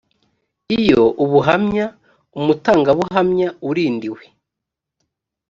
iyo ubuhamya umutangabuhamya urindiwe